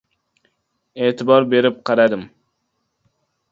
E’tibor berib qaradim.